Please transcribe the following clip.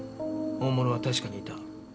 大物は確かにいた。